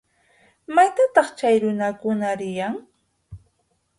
¿Maytataq chay runakuna riyan?